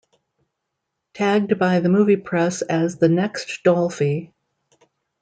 Tagged by the movie press as the Next Dolphy.